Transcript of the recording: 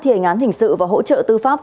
thì hình án hình sự và hỗ trợ tư pháp